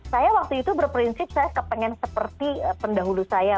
saya waktu itu berprinsip saya kepengen seperti pendahulu saya